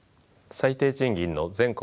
最低賃金の全国